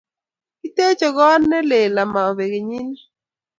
Kiteche kot ne lel ama pek kenyini